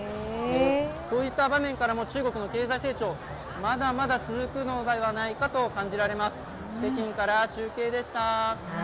こういった場面からも、中国の経済成長まだまだ続くのではないかと感じられます。